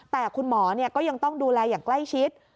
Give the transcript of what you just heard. แต่คุณหมอก็ยังต้องดูแลอย่างใกล้ชิด